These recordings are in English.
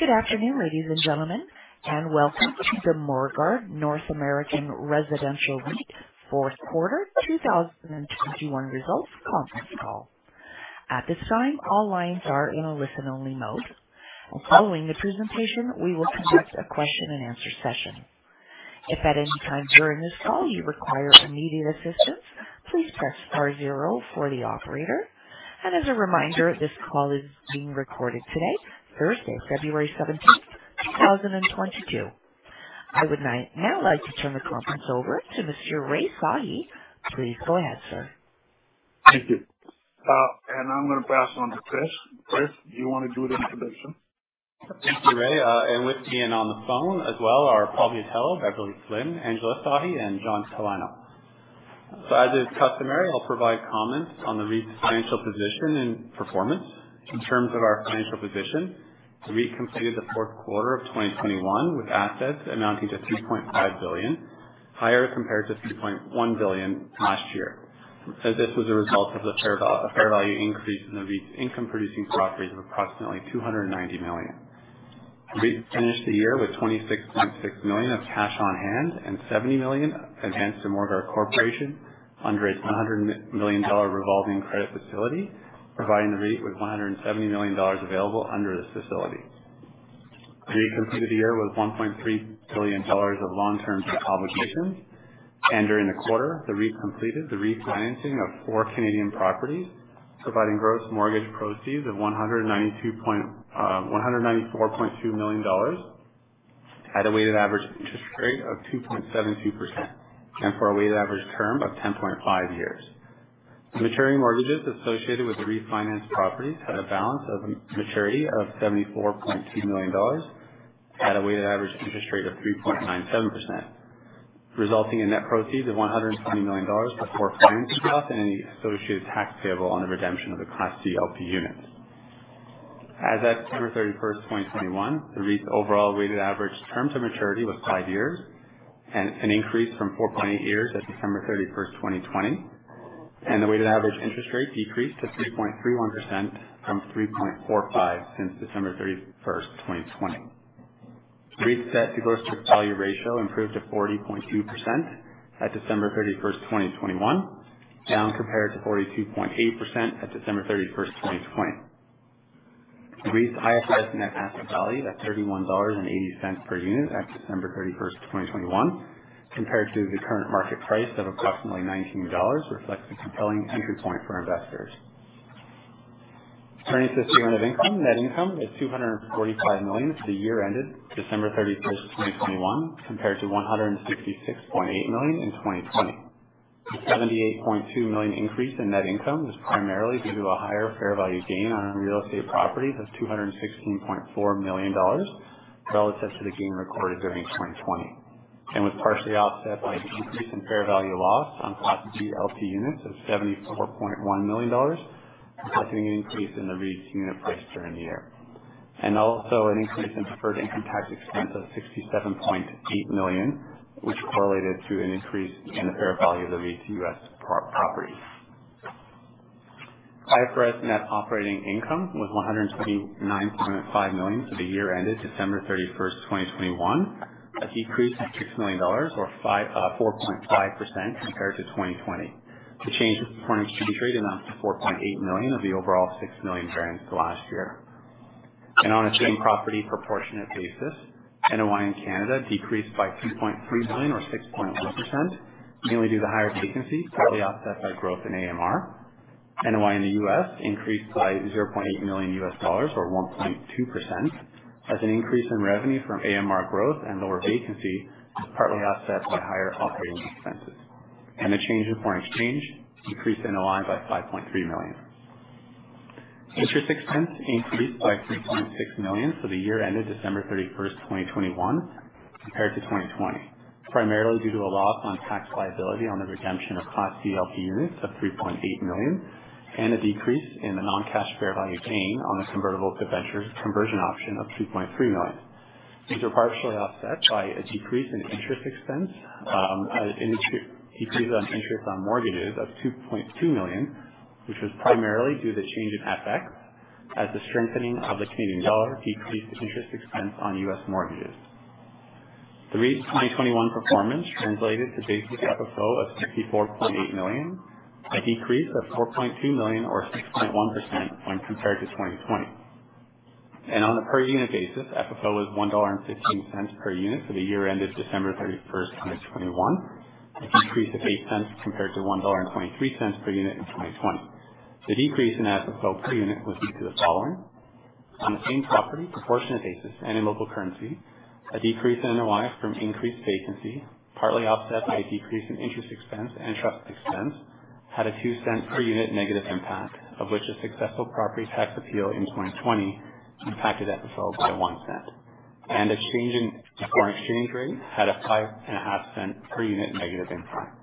Good afternoon, ladies and gentlemen, and welcome to the Morguard North American Residential REIT fourth quarter 2021 results conference call. At this time, all lines are in a listen-only mode. Following the presentation, we will conduct a question and answer session. If at any time during this call you require immediate assistance, please press star zero for the operator. As a reminder, this call is being recorded today, Thursday, February 17, 2022. I would now like to turn the conference over to Mr. Rai Sahi. Please go ahead, sir. Thank you. I'm gonna pass on to Chris. Chris, do you wanna do the introduction? Thank you, Rai. With me and on the phone as well are Paul Miatello, Beverley Flynn, Angela Sahi, and John Talano. As is customary, I'll provide comments on the REIT's financial position and performance. In terms of our financial position, the REIT completed the fourth quarter of 2021 with assets amounting to CAD 2.5 billion, higher compared to CAD 2.1 billion last year. This was a result of the fair value increase in the REIT's income-producing properties of approximately 290 million. REIT finished the year with 26.6 million of cash on hand and 70 million against the Morguard Corporation under a 100 million dollar revolving credit facility, providing the REIT with 170 million dollars available under this facility. The REIT completed the year with 1.3 billion dollars of long-term obligations. During the quarter, the REIT completed the refinancing of four Canadian properties, providing gross mortgage proceeds of 194.2 million dollars at a weighted average interest rate of 2.72% and for a weighted average term of 10.5 years. Maturing mortgages associated with the refinanced properties had balances maturing of 74.2 million dollars at a weighted average interest rate of 3.97%, resulting in net proceeds of 120 million dollars before financing costs and any associated tax payable on the redemption of the Class C LP units. As at December 31, 2021, the REIT's overall weighted average terms of maturity was five years and an increase from 4.8 years at December 31, 2020. The weighted average interest rate decreased to 3.31% from 3.45% since December 31, 2020. The REIT's debt-to-gross book value ratio improved to 40.2% at December 31, 2021, down compared to 42.8% at December 31, 2020. The REIT's IFRS net asset value at 31.80 dollars at December 31, 2021 compared to the current market price at approximately 19 dollars, reflecting inventory for the investors. Clients net income was CAD 245 million for the year ended December 31, 2021, compared to CAD 166.8 million in 2020. The 78.2 million increase in net income was primarily due to a higher fair value gain on our real estate property of 216.4 million dollars relative to the gain recorded during 2020. Was partially offset by a decrease in fair value loss on Class C LP units of 74.1 million dollars, reflecting an increase in the REIT's unit price during the year. Also an increase in preferred income tax expense of 67.8 million, which correlated to an increase in the fair value of the REIT's U.S. properties. IFRS net operating income was CAD 129.5 million for the year ended December 31, 2021. A decrease of CAD 6 million or 4.5% compared to 2020. The change in foreign exchange rate amounts to 4.8 million of the overall 6 million variance to last year. On a same-property proportionate basis, NOI in Canada decreased by 2.3 million or 6.1%, mainly due to higher vacancy, partly offset by growth in AMR. NOI in the U.S. increased by $0.8 million or 1.2% as an increase in revenue from AMR growth and lower vacancy, partly offset by higher operating expenses. The change in foreign exchange decreased NOI by 5.3 million. Interest expense increased by 3.6 million for the year ended December 31, 2021, compared to 2020, primarily due to a loss on tax liability on the redemption of Class C LP units of 3.8 million and a decrease in the non-cash fair value gain on the convertible debentures conversion option of 2.3 million. These are partially offset by a decrease in interest expense on mortgages of 2.2 million, which was primarily due to change in FX as the strengthening of the Canadian dollar decreased interest expense on U.S. mortgages. The REIT's 2021 performance translated to basic FFO of 64.8 million, a decrease of 4.2 million or 6.1% when compared to 2020. On a per unit basis, FFO was 1.15 per unit for the year ended December 31, 2021, a decrease of 0.08 compared to 1.23 dollar per unit in 2020. The decrease in FFO per unit was due to the following. On a same property proportionate basis and in local currency, a decrease in NOI from increased vacancy, partly offset by a decrease in interest expense and trust expense, had a 0.02 per unit negative impact, of which a successful property tax appeal in 2020 impacted FFO by 0.01. A change in foreign exchange rate had a 0.055 per unit negative impact.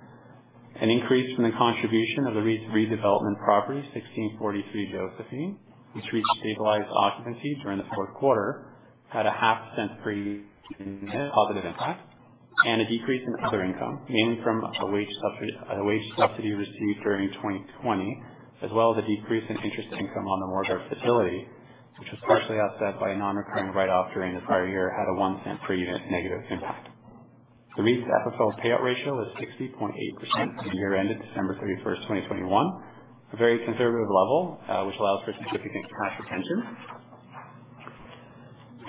An increase from the contribution of the REIT's redevelopment property, 1643 Josephine, which reached stabilized occupancy during the fourth quarter, had a half cent per unit positive impact. A decrease in other income gained from a wage subsidy received during 2020, as well as a decrease in interest income on the Morguard facility, which was partially offset by a non-recurring write-off during the prior year, had a one cent per unit negative impact. The REIT's FFO payout ratio is 60.8% from year-end of December 31, 2021. A very conservative level, which allows for significant cash retention.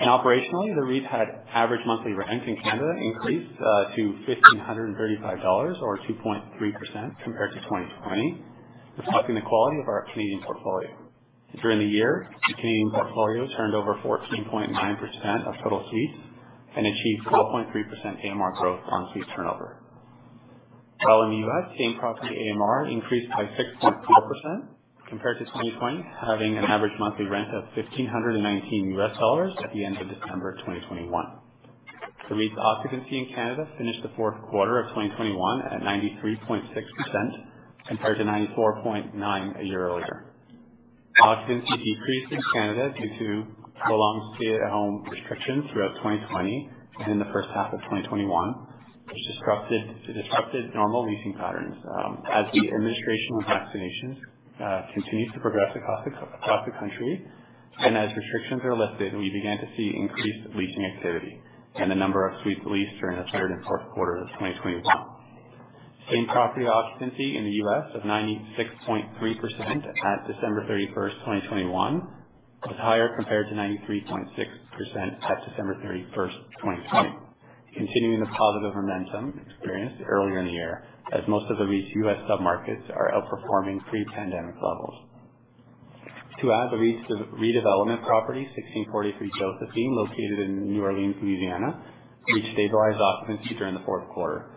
Operationally, the REIT's average monthly rent in Canada increased to 1,535 dollars or 2.3% compared to 2020, reflecting the quality of our Canadian portfolio. During the year, the Canadian portfolio turned over 14.9% of total suites and achieved 12.3% AMR growth on suite turnover. While in the U.S., same property AMR increased by 6.4% compared to 2020, having an average monthly rent of $1,519 at the end of December 2021. The REIT's occupancy in Canada finished the fourth quarter of 2021 at 93.6% compared to 94.9% a year earlier. Occupancy decreased in Canada due to prolonged stay-at-home restrictions throughout 2020 and in the first half of 2021, which disrupted normal leasing patterns. As the administration of vaccinations continues to progress across the country and as restrictions are lifted, we began to see increased leasing activity and the number of suites leased during the third and fourth quarter of 2021. Same property occupancy in the U.S. of 96.3% at December 31, 2021 was higher compared to 93.6% at December 31, 2020. Continuing the positive momentum experienced earlier in the year, as most of the REIT's U.S. submarkets are outperforming pre-pandemic levels. In addition, the REIT's redevelopment property, 1643 Josephine, located in New Orleans, Louisiana, reached stabilized occupancy during the fourth quarter.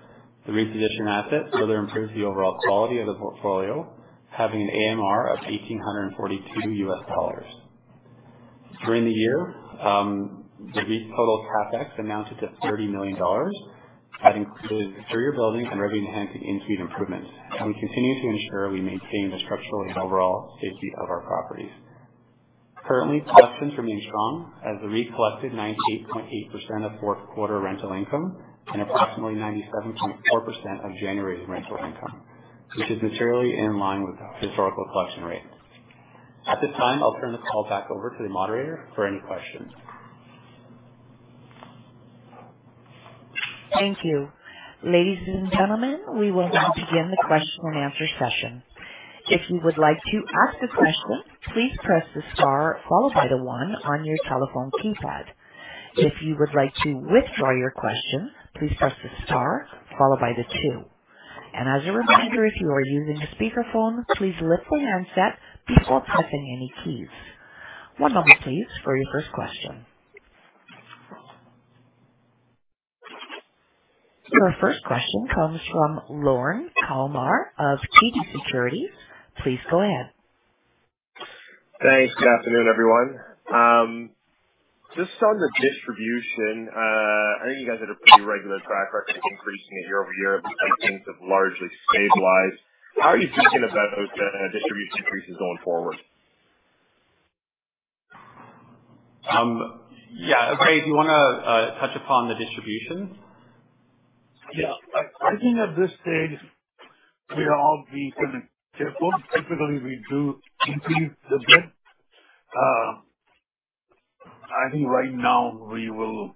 The repositioned asset further improves the overall quality of the portfolio, having an AMR of $1,842. During the year, the REIT's total CapEx amounted to 30 million dollars, having included exterior buildings and revenue-enhancing in-suite improvements. We continue to ensure we maintain the structural and overall safety of our properties. Currently, collections remain strong as the REIT collected 98.8% of fourth quarter rental income and approximately 97.4% of January's rental income, which is materially in line with historical collection rates. At this time, I'll turn the call back over to the moderator for any questions. Thank you. Ladies and gentlemen, we will now begin the question and answer session. If you would like to ask a question, please press the star followed by the one on your telephone keypad. If you would like to withdraw your question, please press the star followed by the two. As a reminder, if you are using a speakerphone, please lift the handset before pressing any keys. One moment please for your first question. Your first question comes from Lorne Kalmar of TD Securities. Please go ahead. Thanks. Good afternoon, everyone. Just on the distribution, I know you guys had a pretty regular track record of increasing it year-over-year, but things have largely stabilized. How are you thinking about distribution increases going forward? Yeah. Ray, do you wanna touch upon the distribution? Yeah. I think at this stage we are being kind of careful. Typically, we do increase the div. I think right now we'll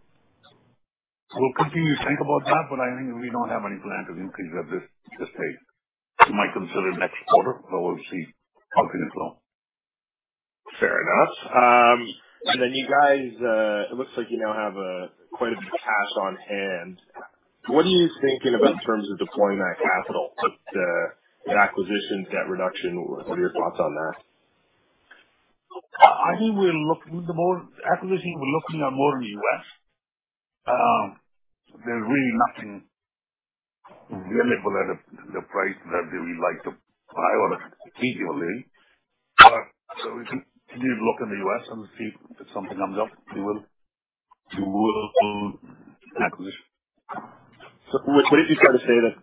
continue to think about that, but I think we don't have any plan to increase at this stage. We might consider next quarter, but we'll see how things flow. Fair enough. You guys, it looks like you now have quite a bit of cash on hand. What are you thinking about in terms of deploying that capital? Look to an acquisition, debt reduction? What are your thoughts on that? I think we're looking at more acquisitions. We're looking at more in the U.S. There's really nothing available at the price that we would like to buy or to keep usually. We continue to look in the U.S. and see if something comes up, we will acquisition. What is it fair to say that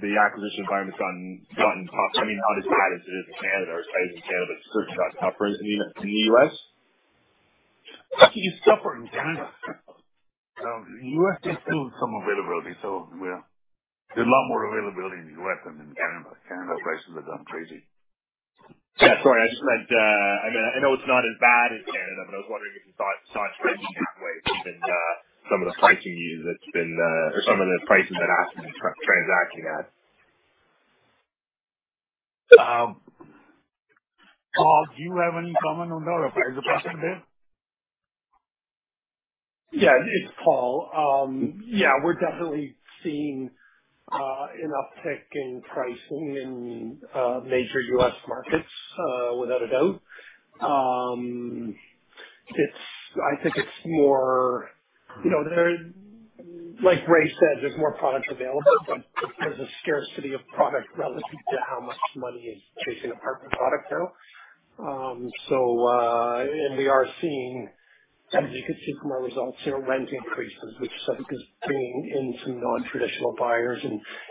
the acquisition environment's gotten tough? I mean, not as bad as it is in Canada or as high as in Canada, but certainly not tougher in the U.S.? It's tougher in Canada. U.S., there's still some availability. There's a lot more availability in the U.S. than in Canada. Canada prices have gone crazy. Yeah, sorry. I just meant, I mean, I know it's not as bad as Canada, but I was wondering if you saw it trending that way given some of the pricing that AssetLink's transacting at. Paul, do you have any comment on that if I asked about that? Yeah. It's Paul. Yeah, we're definitely seeing an uptick in pricing in major U.S. markets without a doubt. I think it's more. You know, there. Like Ray said, there's more product available, but there's a scarcity of product relative to how much money is chasing apartment product now. We are seeing, as you could see from our results here, rent increases, which I think is bringing in some non-traditional buyers.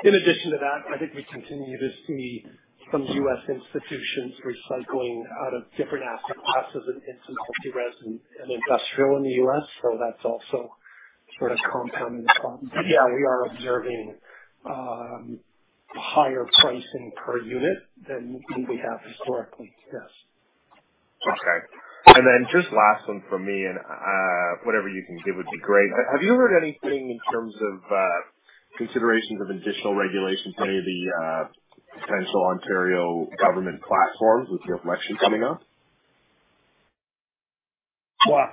In addition to that, I think we continue to see some U.S. institutions recycling out of different asset classes and into multi-res and industrial in the U.S., so that's also, sort of compounding the problem. Yeah, we are observing higher pricing per unit than we have historically. Yes. Okay. Just last one from me and, whatever you can give would be great. Have you heard anything in terms of, considerations of additional regulations from any of the, potential Ontario government platforms with your election coming up? Well,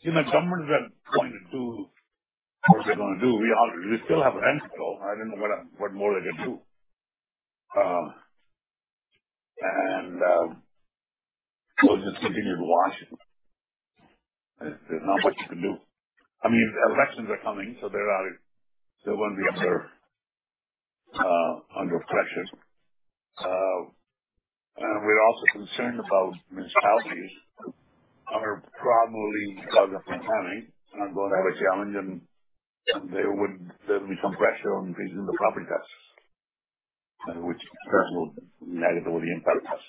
you know, governments are going to do what they're gonna do. We still have rent control. I don't know what more they can do. We'll just continue to watch. There's not much you can do. I mean, elections are coming. When we observe under reflection, we're also concerned about municipalities probably, because of the economy, going to have a challenge. Yeah. There would certainly be some pressure on increasing the property taxes, which will negatively impact us.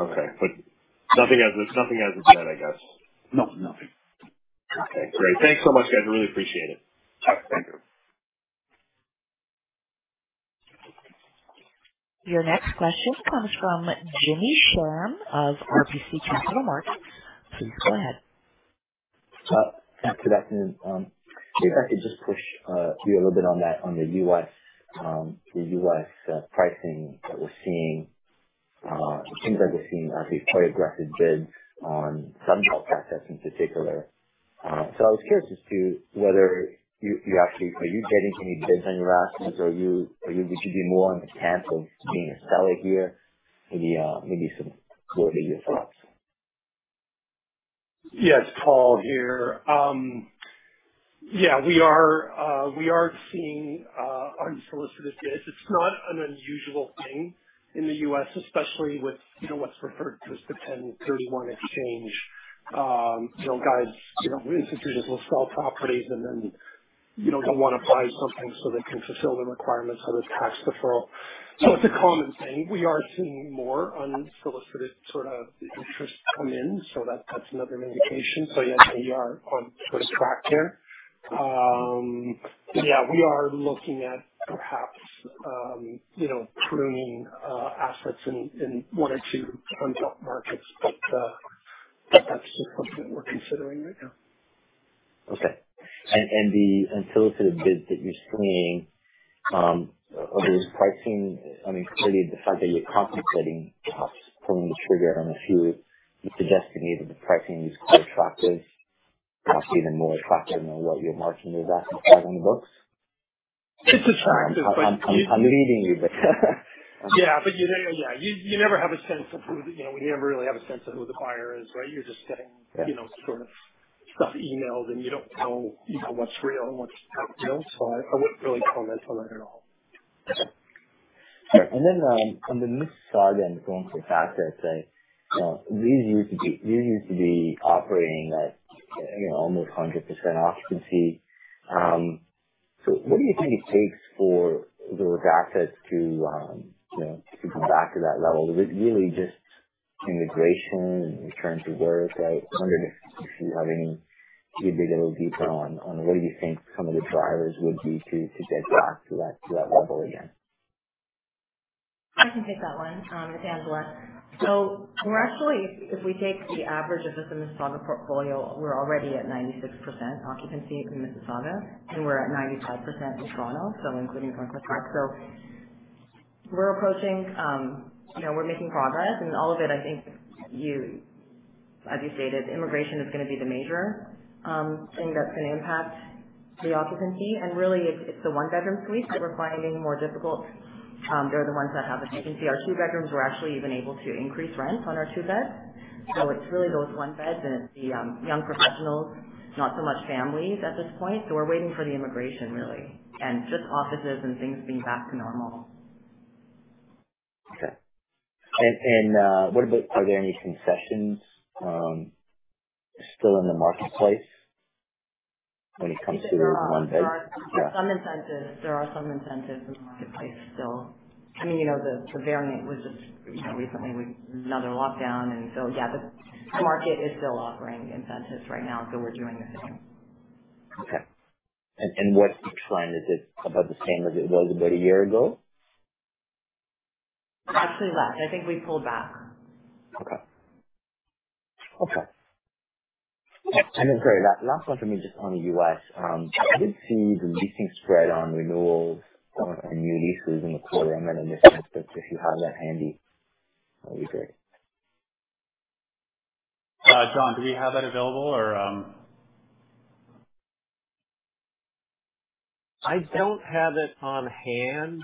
Okay. Nothing as of yet, I guess. No, nothing. Okay, great. Thanks so much, guys. I really appreciate it. Yeah. Thank you. Your next question comes from Jimmy Shan of RBC Capital Markets. Please go ahead. Good afternoon. If I could just push you a little bit on that. On the U.S. pricing that we're seeing, it seems like we're seeing these quite aggressive bids on some assets in particular. So I was curious as to whether you actually are getting any bids on your assets? Are you looking more on the path of being a seller here? Maybe some color to your thoughts. Yes. Paul here. We are seeing unsolicited bids. It's not an unusual thing in the U.S., especially with, you know, what's referred to as the 1031 exchange. You know, guys, you know, institutions will sell properties and then, you know, they wanna buy something so they can fulfill the requirements of the tax deferral. It's a common thing. We are seeing more unsolicited sort of interest come in. That's another indication. Yes, we are on sort of track there. We are looking at perhaps, you know, pruning assets in one or two front top markets. That's just something we're considering right now. Okay. The unsolicited bids that you're seeing, are those pricing? I mean, clearly the fact that you're contemplating perhaps pulling the trigger on a few is suggesting either the pricing is quite attractive, perhaps even more attractive than what your margin of investment is on the books. It's attractive. I'm reading you, but. Yeah, but you know, we never really have a sense of who the buyer is, right? You're just getting- Yeah. You know, sort of stuff emailed, and you don't know, you know, what's real and what's not real. I wouldn't really comment on that at all. Okay. All right. On the Mississauga and Thorncliffe assets, these used to be operating at, you know, almost 100% occupancy. What do you think it takes for those assets to, you know, come back to that level? Is it really just immigration and return to work, right? I'm wondering if you have any, maybe a bit of detail on what do you think some of the drivers would be to get back to that level again? I can take that one. It's Angela. We're actually, if we take the average of the Mississauga portfolio, we're already at 96% occupancy in Mississauga and we're at 95% in Toronto, so including Thorncliffe Park. We're approaching, you know, we're making progress and all of it. I think you, as you stated, immigration is gonna be the major thing that's gonna impact the occupancy. Really it's the one-bedroom suites that we're finding more difficult. They're the ones that have the vacancy. Our two bedrooms, we're actually even able to increase rents on our two beds. It's really those one beds and it's the young professionals, not so much families at this point. We're waiting for the immigration really, and just offices and things being back to normal. Okay. What about? Are there any concessions still in the marketplace when it comes to one beds? There are some incentives in the marketplace still. I mean, you know, the variant was just, you know, recently with another lockdown and so, yeah, the market is still offering incentives right now. We're doing the same. Okay. What's each line? Is it about the same as it was about a year ago? Actually less. I think we pulled back. Okay. Sorry, last one for me just on the U.S. I didn't see the leasing spread on renewals from new leases in the quarter. I'm gonna miss that, but if you have that handy, that'd be great. John, do we have that available or... I don't have it on hand.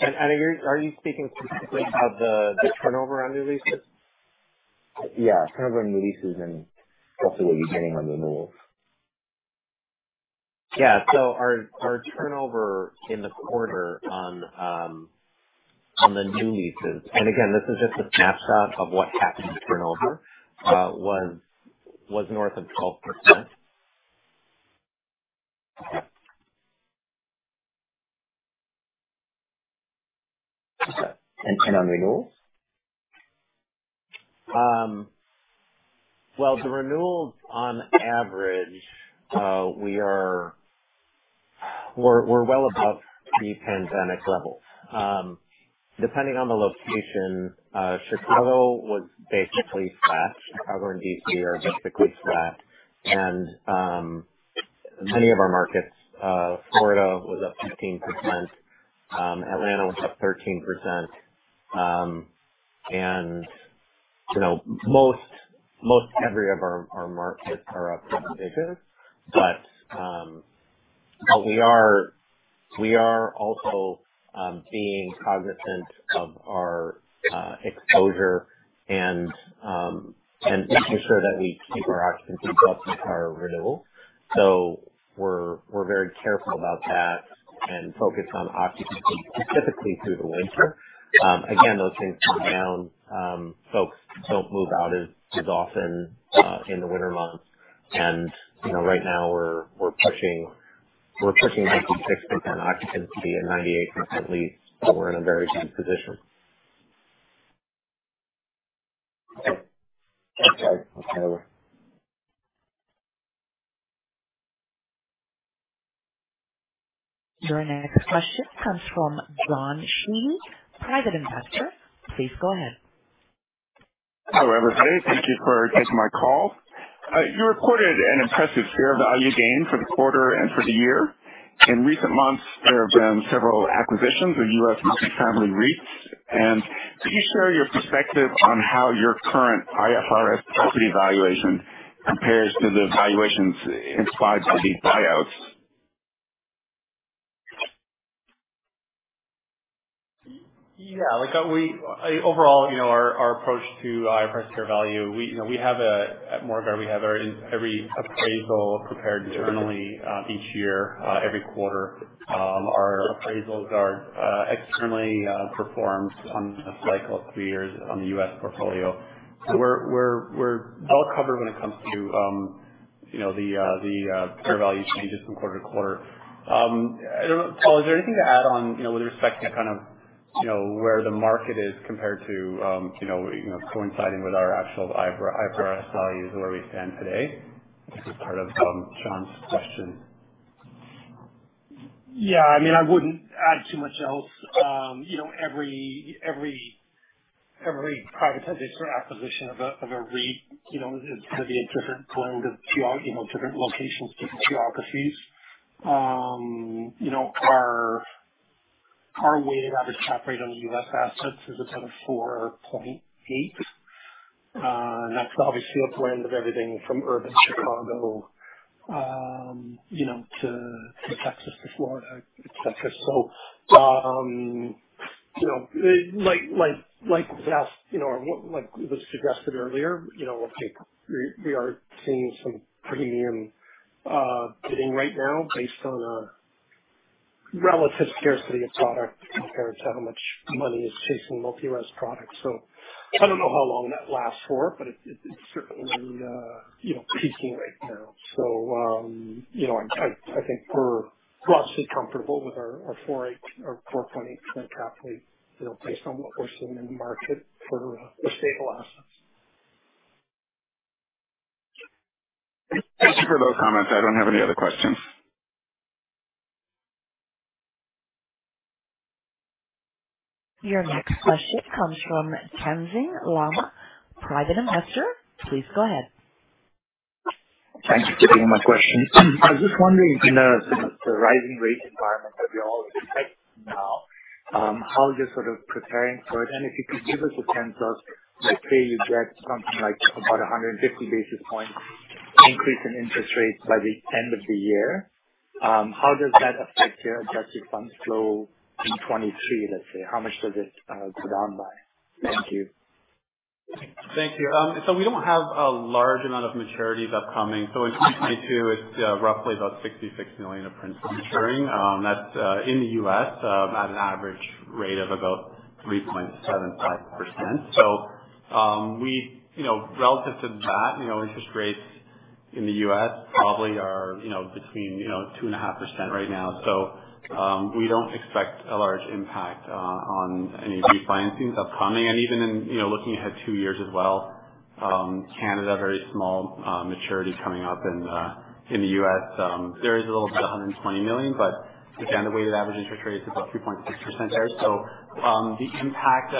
Are you speaking specifically of the turnover on new leases? Yeah, turnover on new leases and also what you're getting on renewals. Yeah. Our turnover in the quarter on the new leases, and again, this is just a snapshot of what happened to turnover, was north of 12%. On renewals? Well, the renewals on average, we're well above pre-pandemic levels. Depending on the location, Chicago was basically flat. Chicago and D.C. are basically flat. Many of our markets, Florida was up 15%. Atlanta was up 13%. You know, most every of our markets are up double digits. We are also being cognizant of our exposure and making sure that we keep our occupancy up with our renewals. We're very careful about that and focused on occupancy specifically through the winter. Again, those things slow down. Folks don't move out as often in the winter months. You know, right now we're pushing 96% occupancy and 98% lease, so we're in a very good position. Okay. Let's move on. Your next question comes from John Shi, private investor. Please go ahead. Hello, everybody. Thank you for taking my call. You recorded an impressive share of value gain for the quarter and for the year. In recent months, there have been several acquisitions of U.S. multi-family REITs. Could you share your perspective on how your current IFRS property valuation compares to the valuations inspired by these buyouts? Yeah. Like overall, you know, our approach to per share value, we you know we have at Morguard every appraisal prepared internally each year every quarter. Our appraisals are externally performed on a cycle of three years on the U.S. portfolio. So we're well covered when it comes to you know the share value changes from quarter to quarter. I don't know, Paul, is there anything to add on you know with respect to kind of you know where the market is compared to you know coinciding with our actual IFRS values where we stand today? This is part of John's question. Yeah. I mean, I wouldn't add too much else. You know, every privatization or acquisition of a REIT, you know, is gonna be a different blend of geos, you know, different locations, different geographies. You know, our weighted average cap rate on the U.S. assets is about 4.8. And that's obviously a blend of everything from urban Chicago, you know, to Texas to Florida, et cetera. You know, as asked, you know, or what was suggested earlier, you know, we are seeing some premium bidding right now based on relative scarcity of product compared to how much money is chasing multi-res products. I don't know how long that lasts for, but it's certainly, you know, peaking right now. You know, I think we're roughly comfortable with our 4.8% cap rate, you know, based on what we're seeing in the market for the stable assets. Thank you for those comments. I don't have any other questions. Your next question comes from Tenzing Lama, Private Investor. Please go ahead. Thank you for taking my question. I was just wondering, in the rising rate environment that we all expect now, how are you sort of preparing for it? If you could give us a sense of, let's say you get something like about 150 basis points increase in interest rates by the end of the year, how does that affect your adjusted funds flow in 2023, let's say? How much does it go down by? Thank you. Thank you. We don't have a large amount of maturities upcoming. In 2022 it's roughly about $66 million of principal maturing. That's in the U.S. at an average rate of about 3.75%. We, you know, relative to that, you know, interest rates in the U.S. probably are, you know, between, you know, 2.5% right now. We don't expect a large impact on any refinancings upcoming. Even in, you know, looking ahead two years as well, Canada, very small maturity coming up in the U.S. There is a little bit $120 million, but again, the weighted average interest rate is about 3.6% there. The impact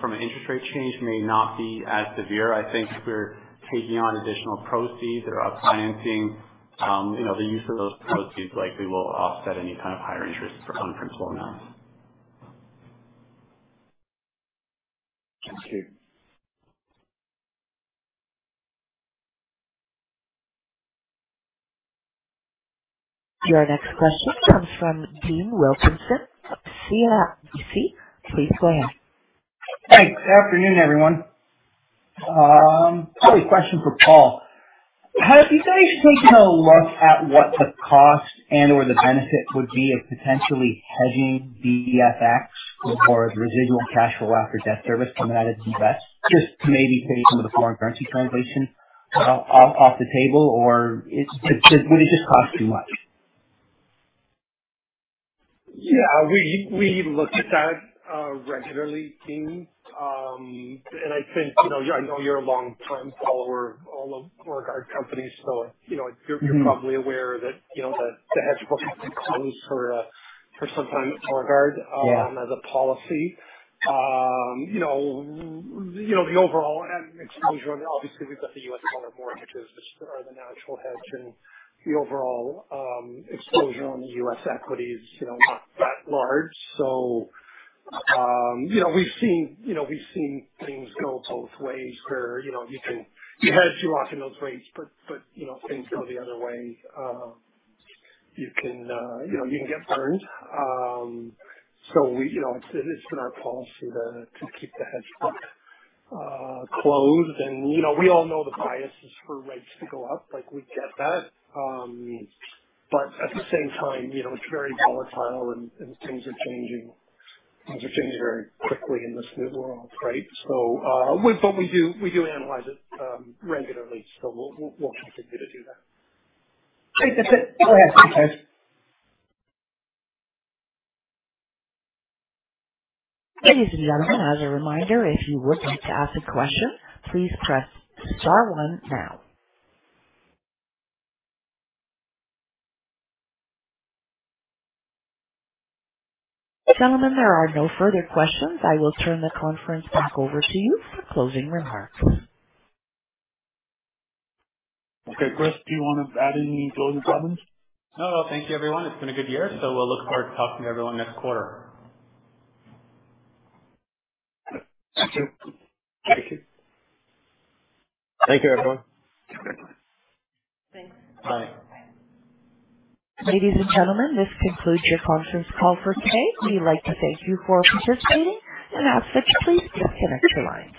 from an interest rate change may not be as severe. I think if we're taking on additional proceeds or refinancing, you know, the use of those proceeds likely will offset any kind of higher interest on principal amounts. Thank you. Your next question comes from Dean Wilkinson of CIBC. Please go ahead. Thanks. Afternoon, everyone. Probably a question for Paul. Have you guys taken a look at what the cost and/or the benefit would be of potentially hedging the FX as far as residual cash flow after debt service from the United States, just to maybe take some of the foreign currency translation off the table? Or would it just cost too much? Yeah, we look at that regularly, Dean. I think, you know, I know you're a longtime follower of all of Morguard companies. You know. Mm-hmm. You're probably aware that, you know, the hedge book has been closed for some time at Morguard. Yeah. As a policy. You know, the overall exposure and obviously we've got the U.S. dollar mortgages, which are the natural hedge and the overall exposure on the U.S. equities, you know, not that large. You know, we've seen things go both ways where, you know, you can hedge your interest rates. But, you know, things go the other way. You can, you know, you can get burned. You know, it's been our policy to keep the hedge book closed. You know, we all know the biases for rates to go up, like we get that. But at the same time, you know, it's very volatile and things are changing very quickly in this new world, right? We do analyze it regularly, so we'll continue to do that. Great. That's it. All right. Thanks, guys. Ladies and gentlemen, as a reminder, if you would like to ask a question, please press star one now. Gentlemen, there are no further questions. I will turn the conference back over to you for closing remarks. Okay, Chris, do you wanna add any closing comments? No. Thank you everyone. It's been a good year, so we'll look forward to talking to everyone next quarter. Thank you. Thank you. Thank you, everyone. Bye. Ladies and gentlemen, this concludes your conference call for today. We'd like to thank you for participating. As such, please disconnect your lines.